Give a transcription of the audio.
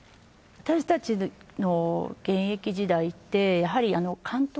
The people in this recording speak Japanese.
私たちの現役時代ってやはり。